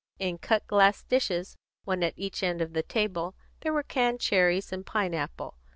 In cut glass dishes, one at each end of the table, there were canned cherries and pine apple.